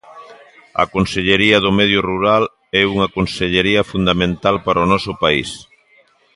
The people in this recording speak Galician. A Consellería do Medio Rural é unha consellería fundamental para o noso país.